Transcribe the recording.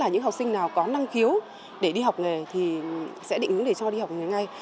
những học sinh nào có năng khiếu để đi học nghề thì sẽ định hướng để cho đi học nghề ngay